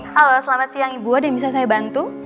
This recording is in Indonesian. halo selamat siang ibu ada yang bisa saya bantu